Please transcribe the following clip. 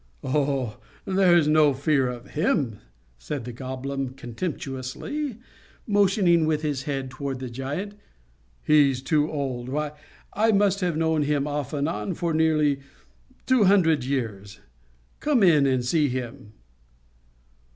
"Oh! there's no fear of him" said the Goblin, contemptuously, motioning with his head toward the giant. "He's too old. Why, I must have known him, off and on, for nearly two hundred years. Come in and see him."